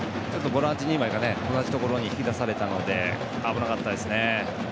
ボランチ２枚が同じところ引き出されたので危なかった。